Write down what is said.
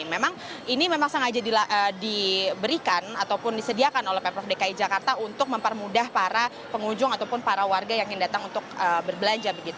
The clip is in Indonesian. memang ini memang sengaja diberikan ataupun disediakan oleh pemprov dki jakarta untuk mempermudah para pengunjung ataupun para warga yang datang untuk berbelanja